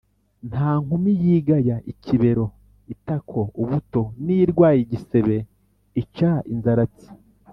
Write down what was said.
nta nkumi yigaya ikibero (itako, ubuto), n’irwaye igisebe ica inzaratsi.